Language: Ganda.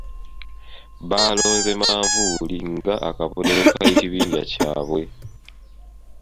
Baalonze manvuuli ng'akabonero k'ekibiinja kyabwe.